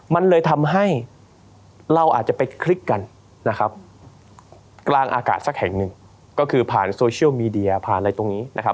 มันเลยทำให้เราอาจจะไปคลิกกันนะครับกลางอากาศสักแห่งหนึ่งก็คือผ่านโซเชียลมีเดียผ่านอะไรตรงนี้นะครับ